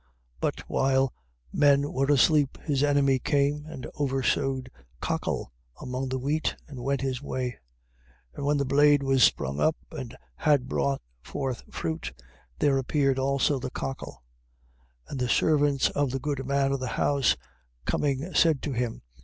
13:25. But while men were asleep, his enemy came and oversowed cockle among the wheat and went his way. 13:26. And when the blade was sprung up, and had brought forth fruit, then appeared also the cockle. 13:27. And the servants of the good man of the house coming said to him.